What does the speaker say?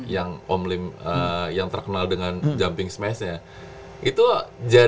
yang om lim yang terkenal dengan jumping smashnya